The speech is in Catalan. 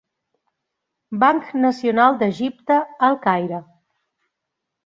Banc Nacional d'Egipte a El Caire.